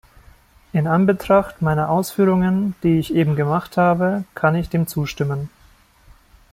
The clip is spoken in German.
In Anbetracht meiner Ausführungen, die ich eben gemacht habe, kann ich dem zustimmen.